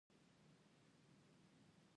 باسواده نجونې د تاریخ په اړه معلومات لري.